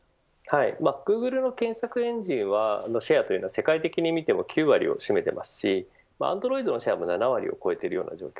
グーグルの検索エンジンのシェアは世界的に見ても９割を占めていますしＡｎｄｒｏｉｄのシェアも７割を超えています。